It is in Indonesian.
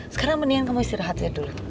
sekarang mendingan kamu istirahat ya dulu